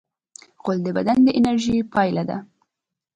غول د بدن د انرژۍ پایله ده.